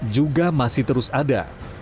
juga masih terus ada